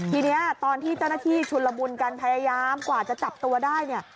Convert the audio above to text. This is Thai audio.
ทีนี้ตอนที่เจ้าหน้าที่ชุนละมุนกันพยายามกว่าจะจับตัวได้เนี่ย